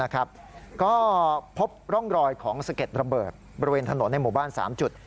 ก็พบร่องรอยของสะเก็ดระเบิดบริเวณถนนในหมู่บ้าน๓จุด